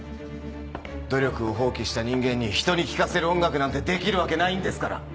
努力を放棄した人間に人に聴かせる音楽なんてできるわけないんですから。